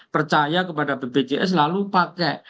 percaya kepada bpjs lalu pakai